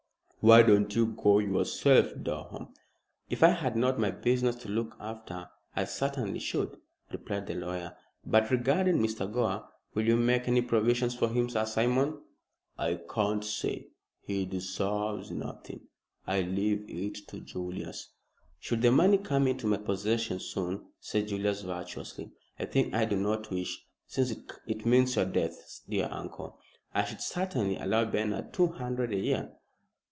"Why don't you go yourself, Durham?" "If I had not my business to look after I certainly should," replied the lawyer. "But regarding Mr. Gore. Will you make any provision for him, Sir Simon?" "I can't say. He deserves nothing. I leave it to Julius." "Should the money come into my possession soon," said Julius, virtuously, "a thing I do not wish, since it means your death, dear uncle, I should certainly allow Bernard two hundred a year."